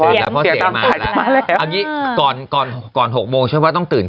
ตื่นแล้วพอเสียงมาแล้วอันนี้ก่อน๖โมงใช่ว่าต้องตื่น